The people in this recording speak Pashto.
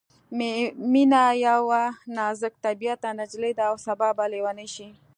مينه یوه نازک طبعیته نجلۍ ده او سبا به ليونۍ شي